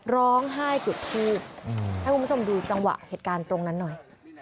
ร้องไห้จุดทูบให้คุณผู้ชมดูจังหวะเหตุการณ์ตรงนั้นหน่อย